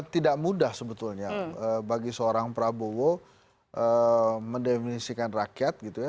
tidak mudah sebetulnya bagi seorang prabowo mendefinisikan rakyat gitu ya